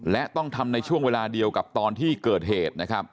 และต้องทำในช่วงเวลาเดียวกับตอนที่เกิดเหตุนะครับ